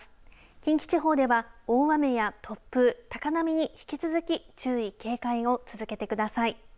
近畿地方では大雨や突風高波に引き続き注意、警戒を続けてください。